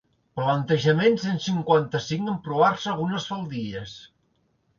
Plantejament cent cinquanta-cinc emprovar-se algunes faldilles.